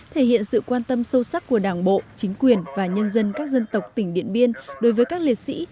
thể hiện sự quan tâm sâu sắc của đảng bộ chính quyền và nhân dân các dân tộc tỉnh điện biên đối với các liệt sĩ